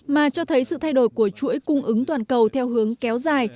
mà cho thấy sự thay đổi của chuỗi cung ứng toàn cầu theo hướng kéo dài